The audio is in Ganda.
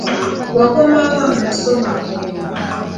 Wakomawa mukusoma kwo?